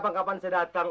bengkok bisa streams